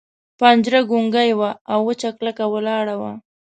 پنجره ګونګۍ وه او وچه کلکه ولاړه وه.